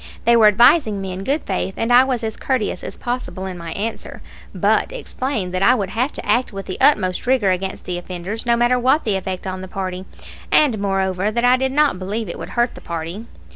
They were advising me in good faith, and I was as courteous as possible in my answer, but explained that I would have to act with the utmost rigor against the offenders, no matter what the effect on the party, and, moreover, that I did not believe it would hurt the party.